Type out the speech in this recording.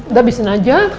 udah abisin aja